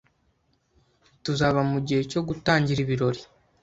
Tuzaba mugihe cyo gutangira ibirori?